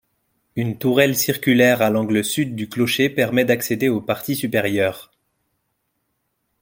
Une tourelle circulaire à l'angle sud du clocher permet d'accéder aux parties supérieures.